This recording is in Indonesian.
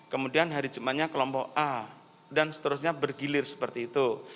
kemudian hari jumatnya kelompok a dan seterusnya bergilir seperti itu